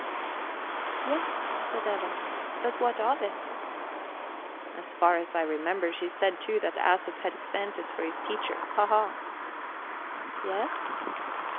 "Yes," says Eva; "but what of it?" "And as far as I remember, she said, too, that Æsop had Xanthus for his teacher. Hahaha!" "Yes?"